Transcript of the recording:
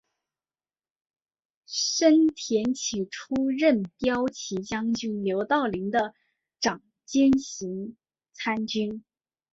申恬起初任骠骑将军刘道邻的长兼行参军。